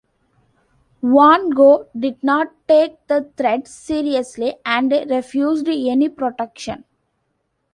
Van Gogh did not take the threats seriously and refused any protection.